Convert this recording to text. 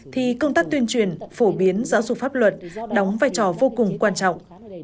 thì công tác tuyên truyền phổ biến giáo dục pháp luật đóng vai trò vô cùng quan trọng